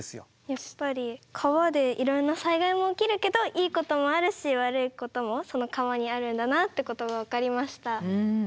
やっぱり川でいろんな災害も起きるけどいいこともあるし悪いこともその川にあるんだなということが分かりました。